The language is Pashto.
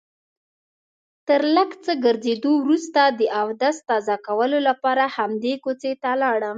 تر لږ څه ګرځېدو وروسته د اودس تازه کولو لپاره همدې کوڅې ته لاړم.